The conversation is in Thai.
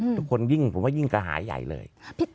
ทุกคนยิ่งกระหายใหญ่เลย